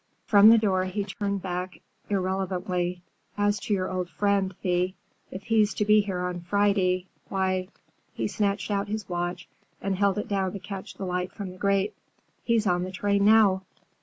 From the door he turned back irrelevantly. "As to your old friend, Thea, if he's to be here on Friday, why,"—he snatched out his watch and held it down to catch the light from the grate,—"he's on the train now!